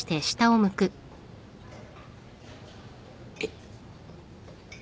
えっ？